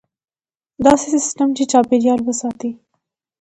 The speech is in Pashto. داسې سیستم چې چاپیریال وساتي.